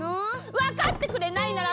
わかってくれないなら